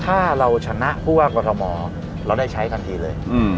ถ้าเราชนะผู้ว่ากรทมเราได้ใช้ทันทีเลย